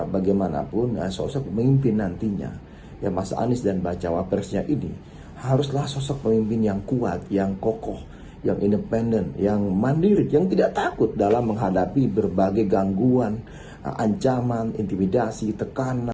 bagaimanapun sosok pemimpin nantinya ya mas anies dan bacawa presnya ini haruslah sosok pemimpin yang kuat yang kokoh yang independen yang mandiri yang tidak takut dalam menghadapi berbagai gangguan ancaman intimidasi tekanan